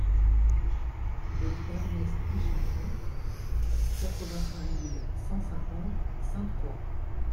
Rue Ernest Ichanson, quatre-vingt-un mille cent cinquante Sainte-Croix